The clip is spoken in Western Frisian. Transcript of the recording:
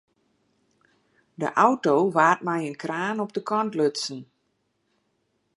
De auto waard mei in kraan op de kant lutsen.